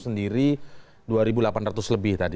sampai jumpa lagi